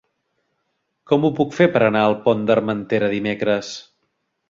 Com ho puc fer per anar al Pont d'Armentera dimecres?